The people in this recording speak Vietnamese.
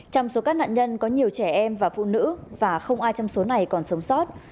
trong số các nạn nhân có nhiều trẻ em và phụ nữ và không ai trong số này còn sống sót